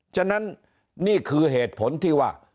ฉะนั้นนี่คือเหตุผลที่ว่า